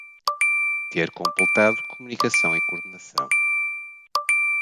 Ter completado comunicação e coordenação